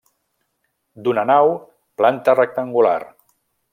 D'una nau, planta rectangular.